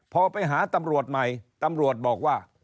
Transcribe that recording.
พอไปหาตำรวจใหม่ตำรวจบอกว่า